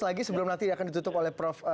lagi sebelum nanti akan ditutup oleh prof